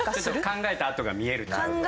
考えた跡が見えるっていう事か。